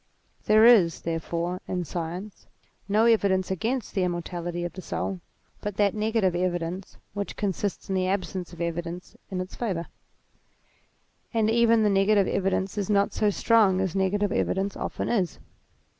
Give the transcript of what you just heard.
There is, therefore, in science, no evidence against the immortality of the soul but that negative evidence, which consists in the absence of evidence in its favour. And even the negative evidence is not so strong as negative evidence often is.